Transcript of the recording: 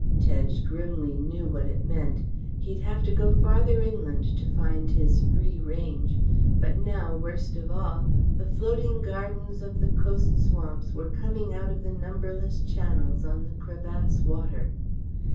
Tedge grimly knew what it meant. He'd have to go farther inland to find his free range, but now, worst of all, the floating gardens of the coast swamps were coming out of the numberless channels on the crevasse water.